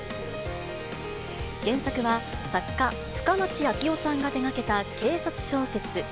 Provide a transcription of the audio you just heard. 原作は作家、深町秋生さんが手がけた警察小説。